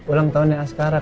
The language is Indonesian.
ulang tahunnya sekarang